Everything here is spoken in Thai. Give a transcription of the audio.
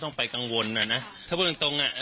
ต้องไปกังวลนะนะถ้าพูดจริง